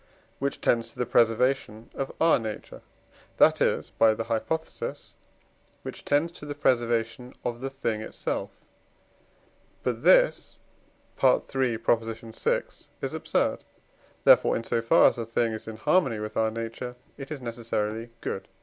which tends to the preservation of our nature, that is (by the hypothesis), which tends to the preservation of the thing itself; but this (III. vi.) is absurd; therefore, in so far as a thing is in harmony with our nature, it is necessarily good.